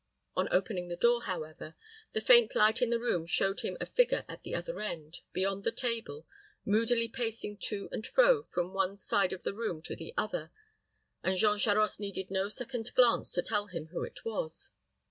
On opening the door, however, the faint light in the room showed him a figure at the other end, beyond the table, moodily pacing to and fro from one side of the room to the other; and Jean Charost needed no second glance to tell him who it was.